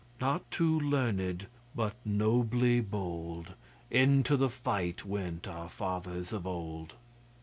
Not too learned, but nobly bold, Into the fight went our fathers of old.